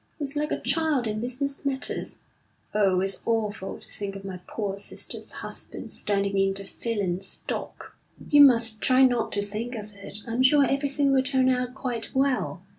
He's like a child in business matters. Oh, it's awful to think of my poor sister's husband standing in the felon's dock!' 'You must try not to think of it. I'm sure everything will turn out quite well.